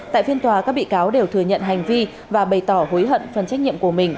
tại phiên tòa các bị cáo đều thừa nhận hành vi và bày tỏ hối hận phần trách nhiệm của mình